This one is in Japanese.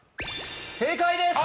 正解です！